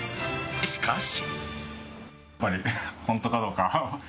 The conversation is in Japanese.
しかし。